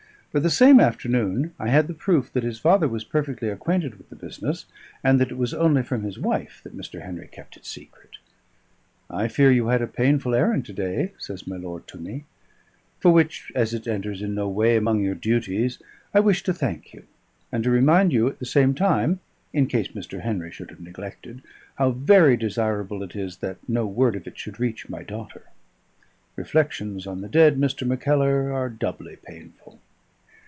But the same afternoon I had the proof that his father was perfectly acquainted with the business, and that it was only from his wife that Mr. Henry kept it secret. "I fear you had a painful errand to day," says my lord to me, "for which, as it enters in no way among your duties, I wish to thank you, and to remind you at the same time (in case Mr. Henry should have neglected) how very desirable it is that no word of it should reach my daughter. Reflections on the dead, Mr. Mackellar, are doubly painful."